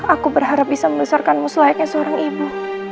aku berharap bisa membesarkanmu selayaknya seorang ibu